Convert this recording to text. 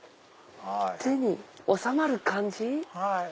手に収まる感じ。